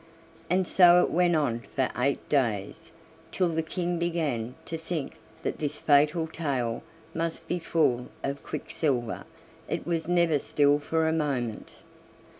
And so it went on for eight days, till the King began to think that this fatal tail must be full of quicksilver it was never still for a moment.